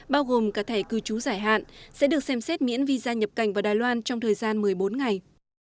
bao gồm cả thẻ cư trú giải hạn sẽ được xem xét miễn visa nhập cảnh vào đài loan trong thời gian một mươi bốn ngày